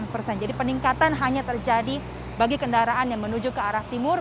peningkatan hanya terjadi bagi kendaraan yang menuju ke arah timur